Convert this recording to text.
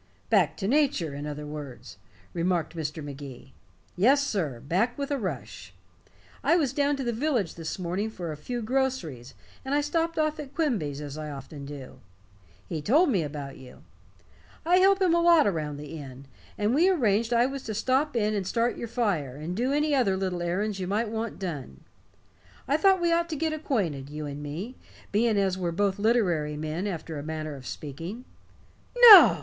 "Back to nature, in other words," remarked Mr. Magee. "Yes, sir back with a rush. I was down to the village this morning for a few groceries, and I stopped off at Quimby's, as I often do. He told me about you. I help him a lot around the inn, and we arranged I was to stop in and start your fire, and do any other little errands you might want done. I thought we ought to get acquainted, you and me, being as we're both literary men, after a manner of speaking." "No?"